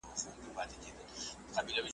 پر ځنګله یې کړل خپاره خپل وزرونه `